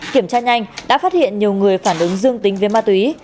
kiểm tra nhanh đã phát hiện nhiều người phản ứng dương tính với ma túy